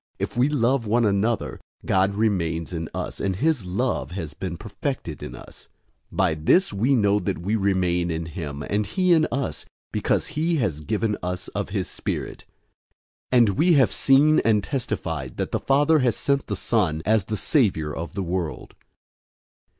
If we love one another, God remains in us, and his love has been perfected in us. 004:013 By this we know that we remain in him and he in us, because he has given us of his Spirit. 004:014 We have seen and testify that the Father has sent the Son as the Savior of the world.